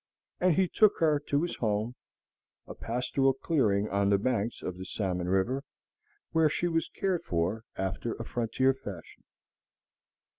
And he took her to his home, a pastoral clearing on the banks of the Salmon River, where she was cared for after a frontier fashion.